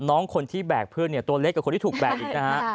น้องคนที่แบ่งเพื่อนตัวเล็กกับคนที่ถูกแบ่งอีกนะครับ